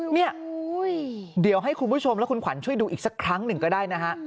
เนี่ยเดี๋ยวให้คุณผู้ชมและคุณขวัญช่วยดูอีกสักครั้งหนึ่งก็ได้นะฮะ